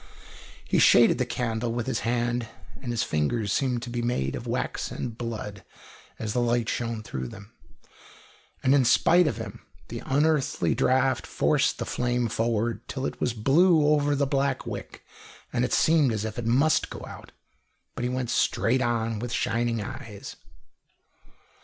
He shaded the candle with his hand, and his fingers seemed to be made of wax and blood as the light shone through them. And in spite of him the unearthly draught forced the flame forward, till it was blue over the black wick, and it seemed as if it must go out. But he went straight on, with shining eyes.